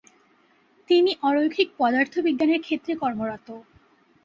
তিনি অরৈখিক পদার্থ বিজ্ঞানের ক্ষেত্রে কর্মরত।